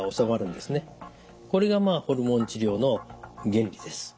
これがホルモン治療の原理です。